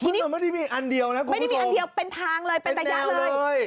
มันไม่ได้มีอันเดียวนะคุณผู้ชมเป็นแนวเลยเป็นทางเลย